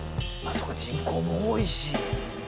そうか人口も多いし。